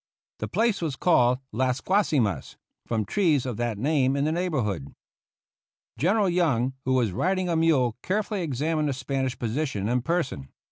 The place was called Las Guasimas, from trees of that name in the neighborhood. General Young, who was riding a mule, carefully examined the Spanish position in person.